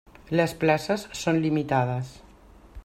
Les places són limitades.